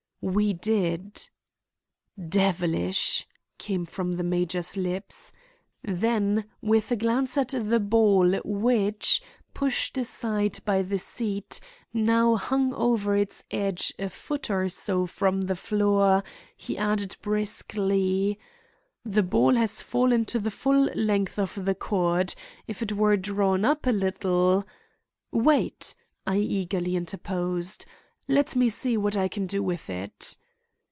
We did. "Devilish!" came from the major's lips. Then with a glance at the ball which, pushed aside by the seat, now hung over its edge a foot or so from the floor, he added briskly: "The ball has fallen to the full length of the cord. If it were drawn up a little—" "Wait," I eagerly interposed. "Let me see what I can do with it."